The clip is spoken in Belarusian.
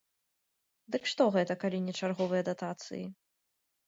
Дык што гэта, калі не чарговыя датацыі?